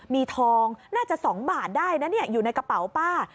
มีทองน่าจะ๒บาทได้นะอยู่ในกระเป๋าป้า